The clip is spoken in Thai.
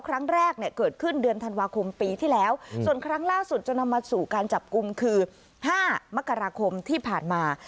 ครั้งแรกเนี่ยเกิดขึ้นเดือนธันวาคมปีที่แล้วส่วนครั้งล่าสุดจนนำมาสู่การจับกลุ่มคือ๕มกราคมที่ผ่านมา